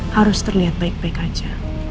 harus terlihat baik baik aja